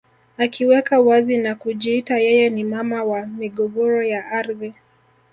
Akiweka wazi na kujiita yeye ni mama wa migogoro ya ardhi